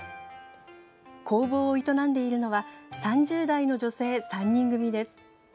工房を営んでいるのは３０代の女性３人組です。